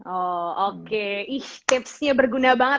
oh oke ih tipsnya berguna banget